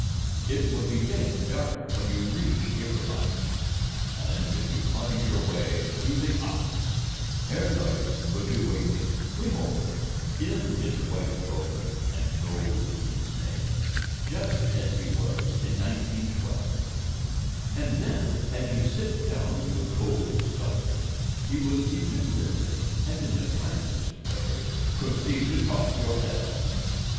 It will be getting dark when you reach Eberbach, and if you find your way to the Ox, Herr Leutz will be waiting (we hope) in his white coat and gold pince nez, just as he was in 1912. And then, as you sit down to a cold supper, he will, deliberately and in the kindest way, proceed to talk your head off.